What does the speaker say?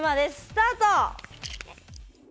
スタート！